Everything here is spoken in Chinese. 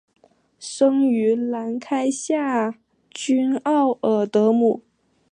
生于兰开夏郡奥尔德姆。